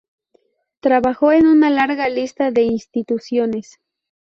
Trabajó en una larga lista de instituciones.